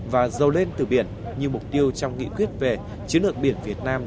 và dầu lên từ biển như mục tiêu trong nghị quyết về chứa lượng biển việt nam